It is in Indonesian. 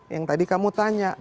yang tadi kamu tanya